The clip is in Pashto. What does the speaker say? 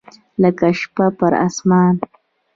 لکه شپه پر اسمان